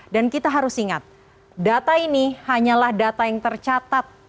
dan kita harus ingat data ini hanyalah data yang tercatat